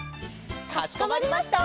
かしこまりました！